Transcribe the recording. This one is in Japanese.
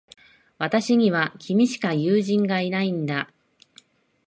私には、君しか友人がいないんだ。